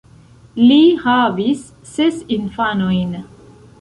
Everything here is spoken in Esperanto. Li havis ses infanojn.